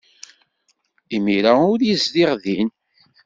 Imir-a ur yezdiɣ din.